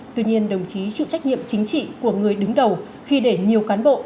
tuy nhiên đồng chí chịu trách nhiệm chính trị của người đứng đầu khi để nhiều cán bộ